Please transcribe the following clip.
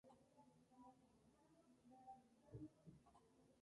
Sin embargo, McCall sufrió una lesión y fue reemplazado por Willie Gates.